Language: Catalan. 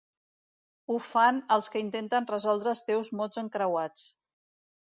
Ho fan els que intenten resoldre els teus mots encreuats.